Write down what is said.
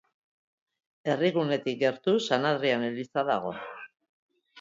Herrigunetik gertu San Adrian eliza dago.